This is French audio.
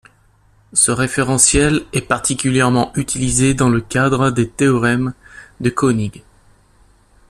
Ce référentiel est particulièrement utilisé dans le cadre des théorèmes de König.